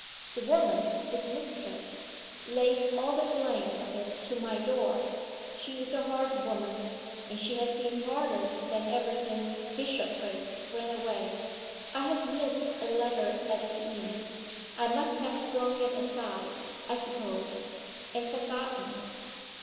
The woman, his mistress, lays all the blame of it to my door. She is a hard woman; and she has been harder than ever since Bishopriggs went away. I have missed a letter at the inn I must have thrown it aside, I suppose, and forgotten it.